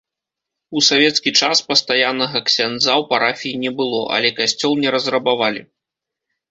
У савецкі час пастаяннага ксяндза ў парафіі не было, але касцёл не разрабавалі.